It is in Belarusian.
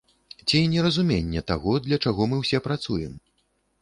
Ці неразуменне таго для чаго мы ўсе працуем?